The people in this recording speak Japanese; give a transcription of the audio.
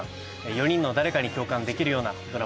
４人の誰かに共感できるようなドラマになっております。